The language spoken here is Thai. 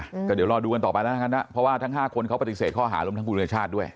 อืมก็เดี๋ยวรอดูกันต่อไปแล้วกันนะเพราะว่าทั้งห้าคนเขาปฏิเสธข้อหารวมทั้งคุณวิทยาชาติด้วย